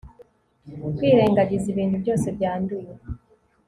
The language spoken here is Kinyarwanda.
Kwirengagiza ibintu byose byanduye